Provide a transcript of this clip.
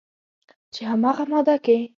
چې همغه ماده کې